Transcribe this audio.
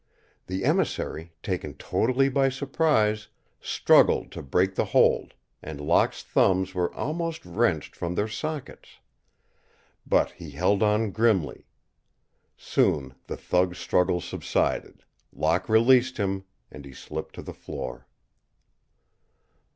The emissary, taken totally by surprise, struggled to break the hold, and Locke's thumbs were almost wrenched from their sockets. But he held on grimly. Soon the thug's struggles subsided, Locke released him, and he slipped to the floor.